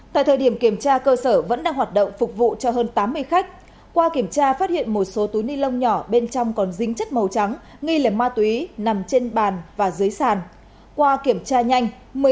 tại thời điểm kiểm tra cơ sở vẫn đang hoạt động phục vụ cho hơn tám mươi khách qua kiểm tra phát hiện một số túi ni lông nhỏ bên trong còn dính chất màu trắng nghi lẻ ma túy nằm trên bàn và dưới sàn qua kiểm tra nhanh